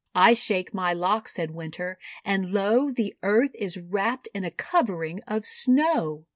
"I shake my locks," said Winter, "and, lo, the Earth is wrapped in a covering of Snow!'